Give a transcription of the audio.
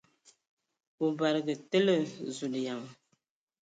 O badǝgǝ tele ! Zulǝyan!